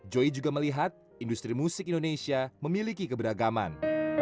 joy juga melihat industri musik indonesia memiliki keberagaman